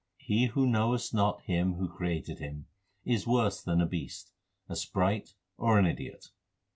He who knoweth not Him who created him, Is worse than a beast, a sprite, or an idiot.